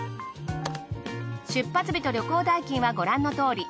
出発日と旅行代金はご覧のとおり。